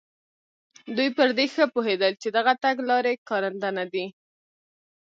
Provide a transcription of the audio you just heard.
دوی پر دې ښه پوهېدل چې دغه تګلارې کارنده نه دي.